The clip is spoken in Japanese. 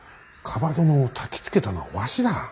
蒲殿をたきつけたのはわしだ。